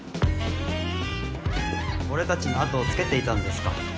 俺たちの後をつけていたんですか？